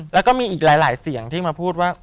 แล้วก็มีอีกหลายเสียงที่มาพูดว่า